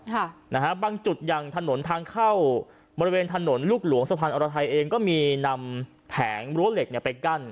ค่ะนะฮะบางจุดอย่างถนนทางเข้าบริเวณถนนลูกหลวงสะพานอรไทยเองก็มีนำแผงรั้วเหล็กเนี่ยไปกั้น